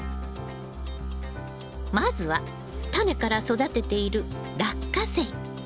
まずはタネから育てているラッカセイ。